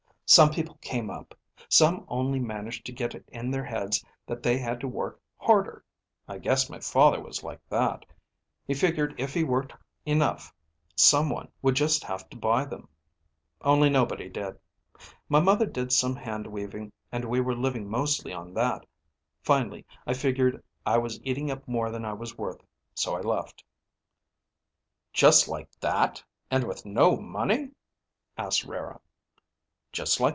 Some people gave up; some only managed to get it in their heads that they had to work harder. I guess my father was like that. He figured if he worked enough, someone would just have to buy them. Only nobody did. My mother did some hand weaving and we were living mostly on that. Finally, I figured I was eating up more than I was worth. So I left." "Just like that, and with no money?" asked Rara.